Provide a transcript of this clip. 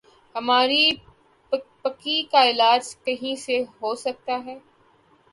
ہماری کپکپی کا علاج کہیں سے ہو سکتا ہے؟